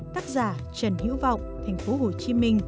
tác giả trần hiễu vọng tp hcm